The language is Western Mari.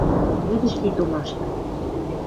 «Лӱдӹш ти томашты...»